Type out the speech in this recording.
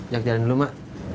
jalan jalan dulu mak